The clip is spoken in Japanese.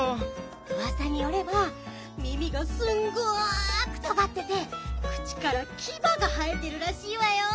うわさによれば耳がすんごくとがってて口からキバが生えてるらしいわよ。